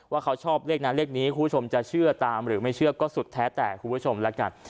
ว่าเขาชอบเลขนั้นเลขนี้คุณผู้ชมจะเชื่อตามหรือไม่เชื่อก็สุดแท้แต่คุณผู้ชมแล้วกัน